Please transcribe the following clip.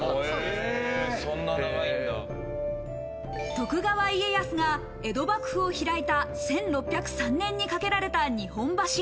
徳川家康が江戸幕府を開いた１６０３年に架けられた日本橋。